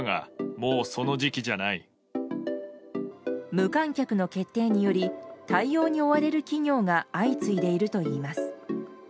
無観客の決定により対応に追われる企業が相次いでいるといいます。